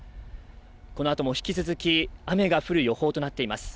このあとも引き続き雨が降る予報となっています。